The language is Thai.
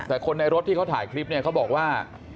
แต่คนในรถที่เขาถ่ายคลิปเนี่ยเขาบอกว่า